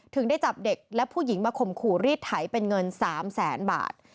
ได้จับเด็กและผู้หญิงมาข่มขู่รีดไถเป็นเงิน๓แสนบาท